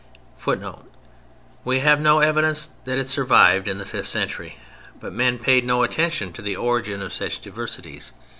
[Footnote: We have evidence that it survived in the fifth century.] But men paid no attention to the origin of such diversities.